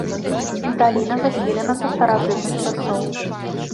Даліна заселена са старажытных часоў.